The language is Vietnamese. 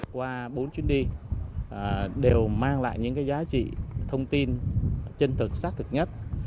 qua bốn chuyến đi đều mang lại những giá trị thông tin chân thực xác thực nhất